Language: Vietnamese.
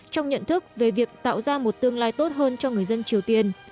trong nhận thức về việc tạo ra một tương lai tốt hơn cho người dân triều tiên